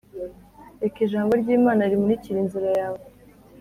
Reka Ijambo ry Imana rimurikire inzira yawe